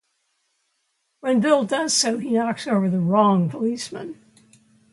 When Bill does so, he knocks over the wrong policeman.